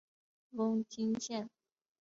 瓮津线